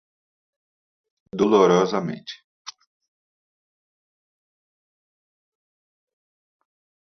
dolosamente